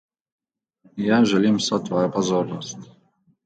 Jaz želim vso tvojo pozornost.